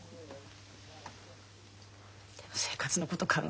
でも生活のこと考えると。